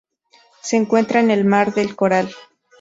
Se encuentra en el Mar del Coral.